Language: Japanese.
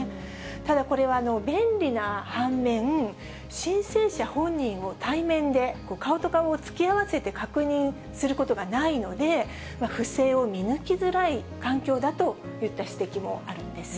ただこれは便利な反面、申請者本人を対面で、顔と顔を突き合わせて確認することがないので、不正を見抜きづらい環境だといった指摘もあるんです。